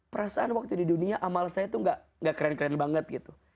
perasaan waktu di dunia amal saya tuh gak keren keren banget gitu